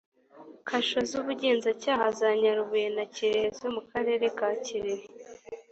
kasho z’ubugenzacyaha za nyarubuye na kirehe zo mu karere ka kirehe